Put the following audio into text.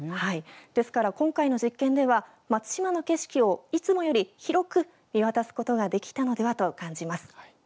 ですから今回の実験では松島の景色をいつもより広く見渡すことができたのではと感じます。